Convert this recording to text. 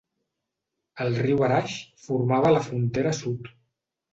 El riu Arax formava la frontera sud.